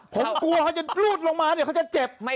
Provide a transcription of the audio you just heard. ผมกลัวเขาจะรูดลงมาเดี๋ยวเขาจะเจ็บ